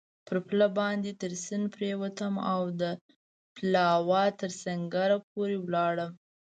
پر پله باندې تر سیند پورېوتم او د پلاوا تر سنګره پورې ولاړم.